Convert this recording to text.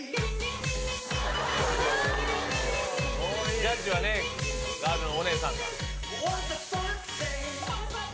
ジャッジはね、たぶんお姉さんが。